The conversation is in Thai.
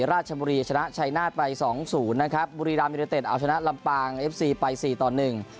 ราชบุรีชนะชัยนาฏไปสองศูนย์นะครับบุรีรามยูเนเต็ดเอาชนะลำปางเอฟซีไปสี่ต่อหนึ่ง